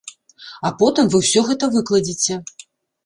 А потым вы ўсё гэта выкладзеце!